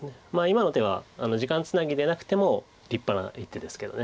今の手は時間つなぎでなくても立派な一手ですけど。